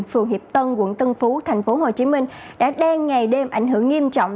phường hiệp tân quận tân phú thành phố hồ chí minh đã đen ngày đêm ảnh hưởng nghiêm trọng